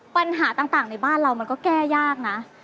ปัญหาต่างในบ้านเรามันก็แก้ยากนะ